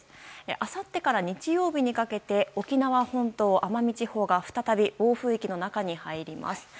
あさってから日曜日にかけて沖縄本島、奄美地方が再び暴風域の中に入ります。